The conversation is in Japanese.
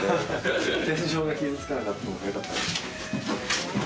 天井が傷つかなかったのがよかった。